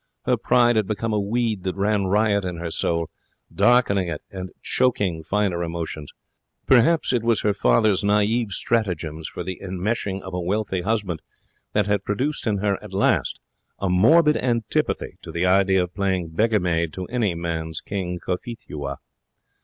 Her pride had become a weed that ran riot in her soul, darkening it and choking finer emotions. Perhaps it was her father's naive stratagems for the enmeshing of a wealthy husband that had produced in her at last a morbid antipathy to the idea of playing beggar maid to any man's King Cophetua.